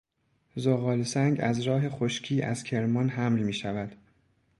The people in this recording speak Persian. زغال سنگ از راه خشکی از کرمان حمل میشود.